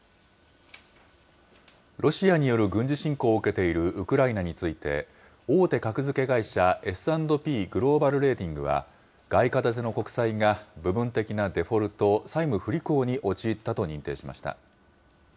ロシアによる軍事侵攻を受けているウクライナについて、大手格付け会社、Ｓ＆Ｐグローバル・レーティングは、外貨建ての国債が部分的なデフォルト・債務不履行に陥ったと認定